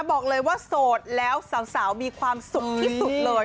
บอกเลยว่าโสดแล้วสาวมีความสุขที่สุดเลย